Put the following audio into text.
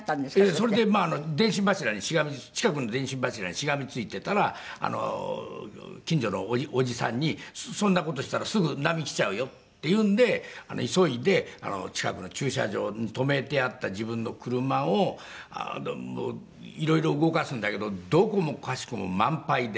それで電信柱にしがみ近くの電信柱にしがみついていたら近所のおじさんに「そんな事したらすぐ波来ちゃうよ」っていうんで急いで近くの駐車場に止めてあった自分の車を色々動かすんだけどどこもかしこも満杯で。